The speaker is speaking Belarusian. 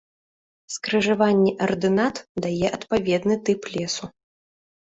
Скрыжаванне ардынат дае адпаведны тып лесу.